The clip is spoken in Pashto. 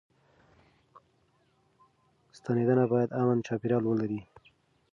ستنېدنه بايد امن چاپيريال ولري.